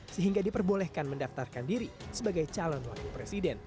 sehingga diperbolehkan mendaftarkan diri sebagai calon wakil presiden